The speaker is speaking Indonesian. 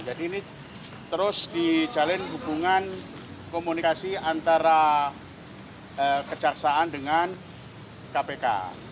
ini terus dijalin hubungan komunikasi antara kejaksaan dengan kpk